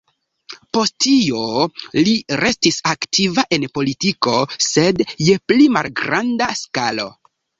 Post tio, li restis aktiva en politiko, sed je pli malgranda skalo.